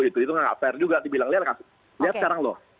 itu nggak fair juga dibilang lihat sekarang loh